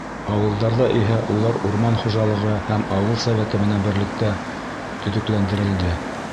Ауылдарҙа иһә улар урман хужалығы һәм ауыл Советы менән берлектә төҙөкләндерелде.